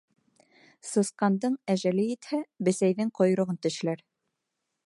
Сысҡандың әжәле етһә, бесәйҙең ҡойроғон тешләр.